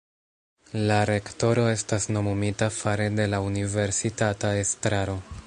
La rektoro estas nomumita fare de la universitata estraro.